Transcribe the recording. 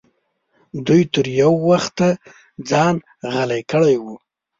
دوی تر یو وخته ځان غلی کړی و.